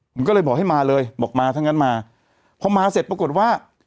ผมก็เลยบอกให้มาเลยบอกมาถ้างั้นมาพอมาเสร็จปรากฏว่า